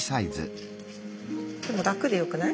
でも楽でよくない？